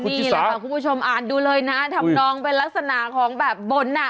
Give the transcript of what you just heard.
นี่แหละค่ะคุณผู้ชมอ่านดูเลยนะทำนองเป็นลักษณะของแบบบนอ่ะ